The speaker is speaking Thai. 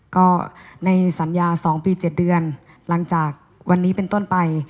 ก็ในสัญญา๒ปี๗เดือนหลังจากวันนี้เป็นต้นไป